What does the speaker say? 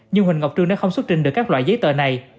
nhưng huỳnh ngọc trương đã không xuất trình được các loại giấy tờ này